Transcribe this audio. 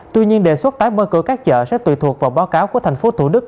tuy nhiên đề xuất tái mở cửa các chợ sẽ tùy thuộc vào báo cáo của thành phố thủ đức